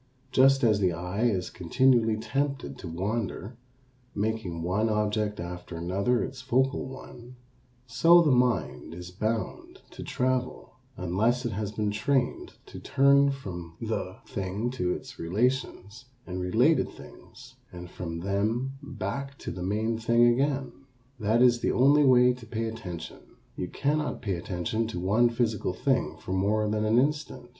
Just as the eye is continually tempted to wander, making one object after another its focal one, so the mind is bound to travel unless it has been trained to turn from the thing to its relations and related things and from them back to the main thing again. That is the only way to pay attention. You cannot pay attention to one physical thing for more than an instant.